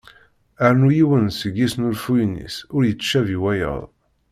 Rnu yiwen seg yisnulfuyen-is ur yettcabi wayeḍ.